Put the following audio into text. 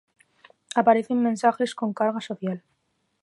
Aparecen mensajes con carga social.